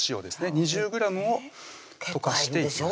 ２０ｇを溶かしていきます